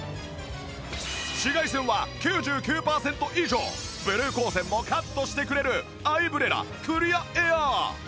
紫外線は９９パーセント以上ブルー光線もカットしてくれるアイブレラクリアエアー